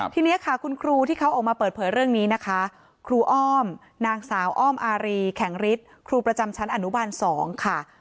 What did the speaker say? ทีนี้ค่ะคุณครูที่เขาออกมาเปิดเผยเรื่องนี้นะคะครูอ้อมนางสาวอ้อมอารีแข็งฤทธิ์ครูประจำชั้นอนุบาล๒ค่ะ